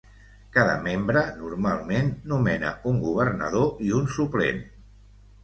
Cada membre normalment nomena un governador i un suplent.